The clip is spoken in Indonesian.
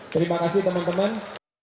terima kasih teman teman